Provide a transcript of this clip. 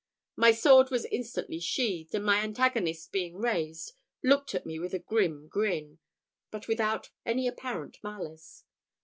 My sword was instantly sheathed, and my antagonist being raised, looked at me with a grim grin, but without any apparent malice.